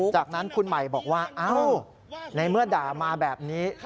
จากนั้นคุณใหม่บอกว่าเอ้าในเมื่อด่ามาแบบนี้